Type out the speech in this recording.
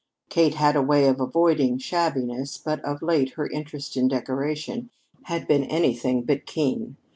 Kate had a way of avoiding shabbiness, but of late her interest in decoration had been anything but keen.